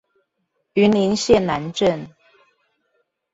雲林縣南鎮